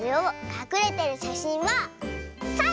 かくれてるしゃしんはサイ！